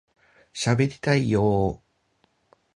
しゃべりたいよ～